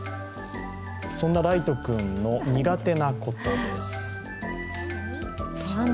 そんなライト君の苦手なことです。